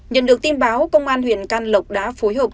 nhận được tin báo công an huyện can lộc đã phối hợp